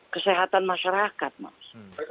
kesehatan masyarakat mas